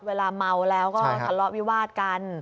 เวลาเมาแล้วก็ทะเลาะวิวาดกัน